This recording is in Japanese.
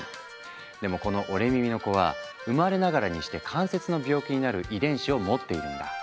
でもこの折れ耳の子は生まれながらにして関節の病気になる遺伝子を持っているんだ。